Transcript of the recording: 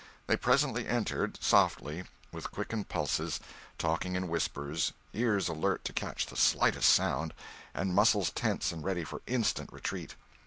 They presently entered, softly, with quickened pulses, talking in whispers, ears alert to catch the slightest sound, and muscles tense and ready for instant retreat.